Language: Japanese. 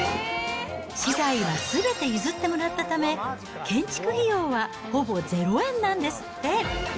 資材はすべて譲ってもらったため、建築費用はほぼ０円なんですって。